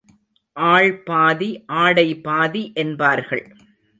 ஆள்பாதி ஆடைபாதி என்பார்கள்.